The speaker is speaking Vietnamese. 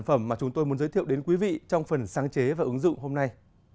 phẩm mà chúng tôi muốn giới thiệu đến quý vị trong phần sáng chế và ứng dụng hôm nay